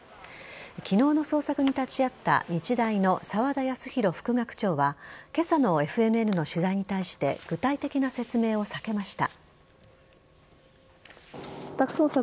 昨日の捜索に立ち会った日大の澤田康広副学長は今朝のＦＮＮの取材に対し具体的な説明を避けました。